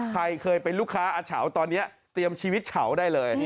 ใครเคยเป็นลูกค้าอาเฉาตอนนี้เตรียมชีวิตเฉาได้เลย